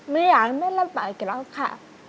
ไม่อยากให้แม่ลำบากอยู่แล้วค่ะ